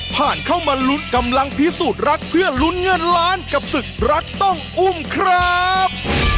ผ่านเข้ามาลุ้นกำลังพิสูจน์รักเพื่อลุ้นเงินล้านกับศึกรักต้องอุ้มครับ